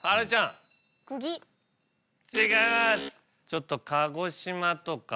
ちょっと鹿児島とか。